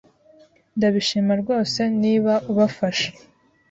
Ndabishima rwose niba ubafasha.